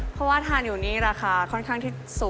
เพราะว่าทานอยู่นี่ราคาค่อนข้างที่สูง